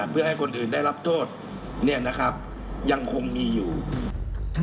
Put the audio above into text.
เพื่อให้คนอื่นได้รับโทษเนี่ยนะครับยังคงมีอยู่ค่ะ